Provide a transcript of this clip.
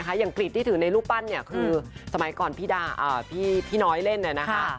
อย่างกรีดที่ถือในรูปปั้นเนี่ยคือสมัยก่อนพี่น้อยเล่นเนี่ยนะคะ